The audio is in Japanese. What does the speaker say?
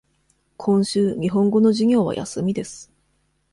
今週、日本語の授業は休みです。